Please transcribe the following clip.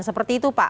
seperti itu pak